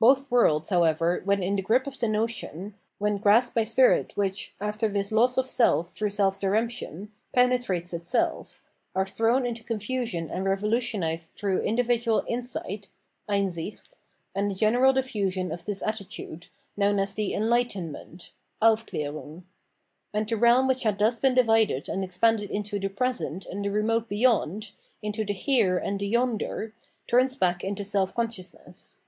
Both worlds, however, when in the grip of the notion — when grasped by spirit which, after this loss of self through self diremption, penetrates itself, — are thrown into con fusion and revolutionised through individual Insight (Einsicht), and the general difiusion of this attitude, hmown as the " Enlightenment " {Aufklcirung). And the realm which had thus been divided and expanded into the "present " and the "remote beyond," into^the "here" and the " yonder," turns back into self consciousness.